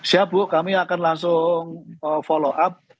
siap bu kami akan langsung follow up